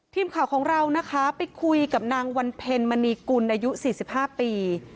ทีมข่าวของเรานะคะไปคุยกับนางวันเพ็ญมณีกุลอายุ๔๕ปี